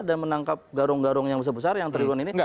dan menangkap garung garung yang besar besar yang triliun ini